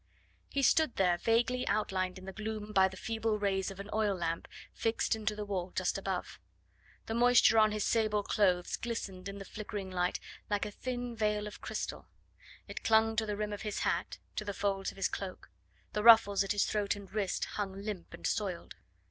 He stood there vaguely outlined in the gloom by the feeble rays of an oil lamp fixed into the wall just above. The moisture on his sable clothes glistened in the flickering light like a thin veil of crystal; it clung to the rim of his hat, to the folds of his cloak; the ruffles at his throat and wrist hung limp and soiled.